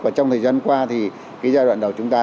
và trong thời gian qua thì cái giai đoạn đầu chúng ta